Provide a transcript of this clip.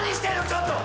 ちょっと。